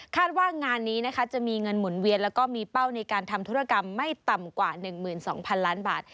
ว่างานนี้นะคะจะมีเงินหมุนเวียนแล้วก็มีเป้าในการทำธุรกรรมไม่ต่ำกว่า๑๒๐๐๐ล้านบาท